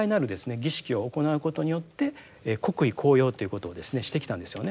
儀式を行うことによって国威高揚っていうことをですねしてきたんですよね。